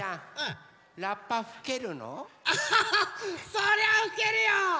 そりゃあふけるよ！